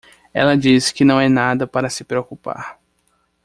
Ela diz que não é nada para se preocupar.